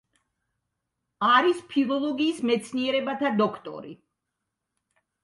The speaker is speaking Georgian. არის ფილოლოგიის მეცნიერებათა დოქტორი.